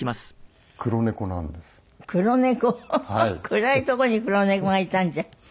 暗いとこに黒猫がいたんじゃ。